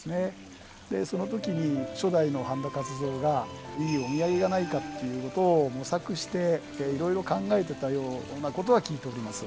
そのときに初代の半田勝三がいいお土産がないかということを模索していろいろ考えてたようなことは聞いております。